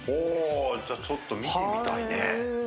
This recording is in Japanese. ほうじゃちょっと見てみたいね